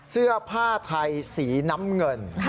เสื้อผ้าไทยสีน้ำเงิน